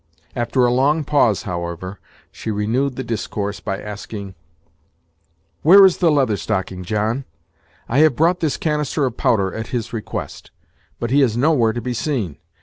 After a long pause, however, she renewed the discourse by asking: "Where is the Leather Stocking, John? I have brought this canister of powder at his request; but he is nowhere to be seen.